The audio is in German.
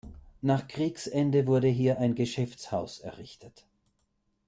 Nach Kriegsende wurde hier ein Geschäftshaus errichtet.